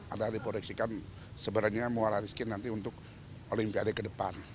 ada diproyeksikan sebenarnya muara rizky nanti untuk olimpiade ke depan